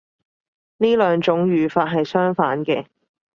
呢兩種語法係相反嘅